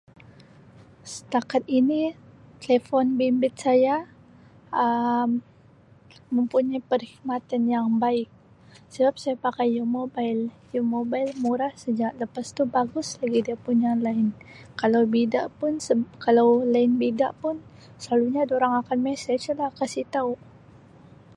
Setakat ini telefon bimbit saya Um mempunyai perkhidmatan yang baik sebab saya pakai U Mobile U Mobile murah saja lepas tu bagus lagi dia punya line kalau bida pun seb kalau line bida pun selalunya dorang akan mesej lah kasi tau.